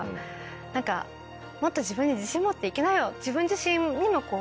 何か「もっと自分に自信持って行きなよ」。